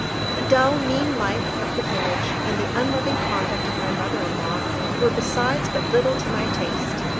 The dull, mean life of the village, and the unloving conduct of my mother in law, were besides but little to my taste.